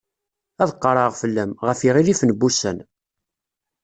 Ad qerɛeɣ fell-am, ɣef yiɣilifen n wussan.